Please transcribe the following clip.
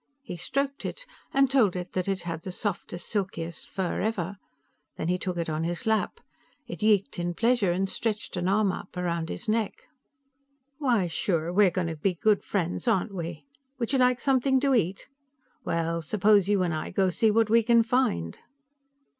He stroked it, and told it that it had the softest, silkiest fur ever. Then he took it on his lap. It yeeked in pleasure, and stretched an arm up around his neck. "Why, sure; we're going to be good friends, aren't we? Would you like something to eat? Well, suppose you and I go see what we can find."